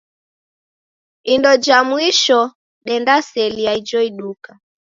Indo ja mwisho dendaselia ijo iduka.